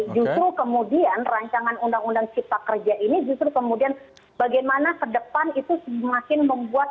justru kemudian rancangan undang undang cipta kerja ini justru kemudian bagaimana ke depan itu semakin membuat